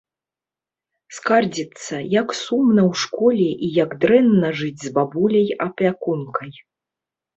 Скардзіцца, як сумна ў школе і як дрэнна жыць з бабуляй-апякункай.